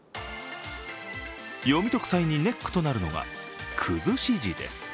読み解く際にネックとなるのがくずし字です。